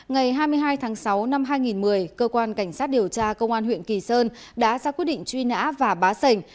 ngày hai mươi hai tháng sáu năm hai nghìn một mươi cơ quan cảnh sát điều tra công an huyện kỳ sơn đã ra quyết định truy nã và bá sảnh